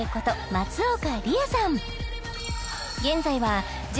松岡里枝さん